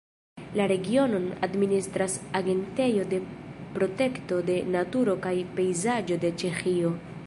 La regionon administras Agentejo de protekto de naturo kaj pejzaĝo de Ĉeĥio.